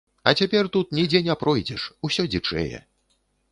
А цяпер тут нідзе не пройдзеш, усё дзічэе.